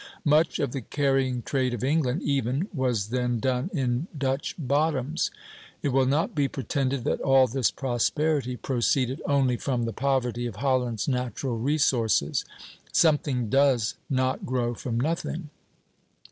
Much of the carrying trade of England, even, was then done in Dutch bottoms. It will not be pretended that all this prosperity proceeded only from the poverty of Holland's natural resources. Something does not grow from nothing.